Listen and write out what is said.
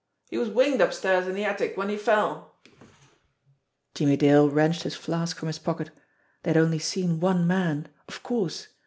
... He was winged upstairs in de attic w'en he fell " Jimmie Dale wrenched his flask from his pocket. They had only seen one man. Of course!